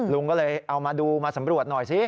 ลุงก็เลยเอามาดูมาสำรวจหน่อยสิ